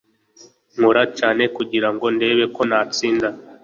nkora cyane kugirango ndebe ko natsinze